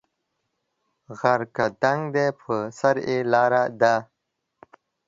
غر که دنګ دی په سر یې لار ده